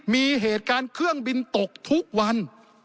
มีเหตุการณ์เครื่องบินตกทุกวัน